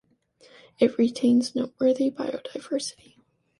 It retains noteworthy biodiversity.